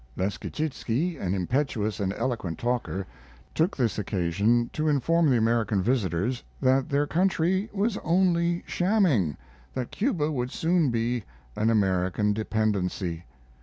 Leschetizky, an impetuous and eloquent talker, took this occasion to inform the American visitors that their country was only shamming, that Cuba would soon be an American dependency.